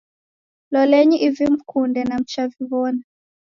Lolenyi ivi mkunde na mchaviw'ona.